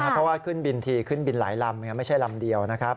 เพราะว่าขึ้นบินทีขึ้นบินหลายลำไม่ใช่ลำเดียวนะครับ